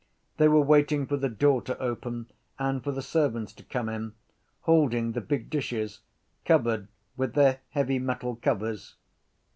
They were waiting for the door to open and for the servants to come in, holding the big dishes covered with their heavy metal covers.